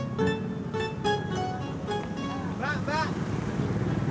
tasnya ketiga kan